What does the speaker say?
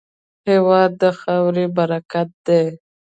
هېواد د خاورې برکت دی.